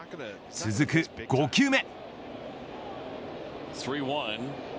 続く５球目。